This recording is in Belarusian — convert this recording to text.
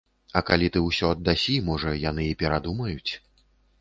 А калі ты ўсё аддасі, можа, яны і перадумаюць.